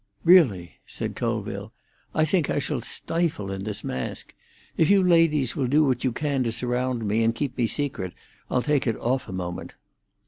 "Really," said Colville, "I think I shall stifle in this mask. If you ladies will do what you can to surround me and keep me secret, I'll take it off a moment."